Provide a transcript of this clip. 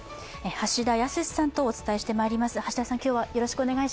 橋田康さんとお伝えしてまいります。